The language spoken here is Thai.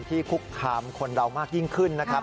คุกคามคนเรามากยิ่งขึ้นนะครับ